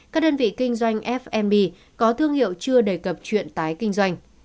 các đơn vị kinh doanh fmb có thương hiệu chưa đề cập chuyện tái kinh doanh